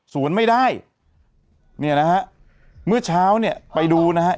ไม่ได้เนี่ยนะฮะเมื่อเช้าเนี่ยไปดูนะฮะ